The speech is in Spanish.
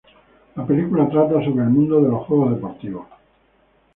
La película trata sobre el mundo de los juegos deportivos.